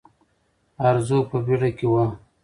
ارزو په بیړه کې وه.